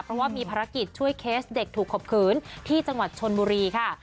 เพราะว่ามีภารกิจช่วยเคสเด็กถูกข่มขืนที่จังหวัดชนบุรีค่ะ